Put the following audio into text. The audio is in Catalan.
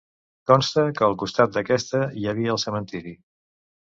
Consta que al costat d'aquesta, hi havia, el cementiri.